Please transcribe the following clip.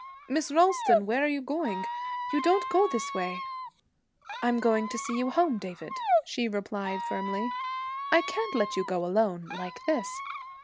'Miss Ralston, where are you going? You don't go this way.' 'I'm going to see you home, David,' she replied firmly. 'I can't let you go alone like this.'